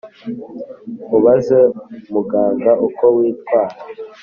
Ubaze muganga uko witwara